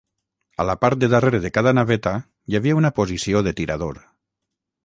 A la part de darrere de cada naveta hi havia una posició de tirador.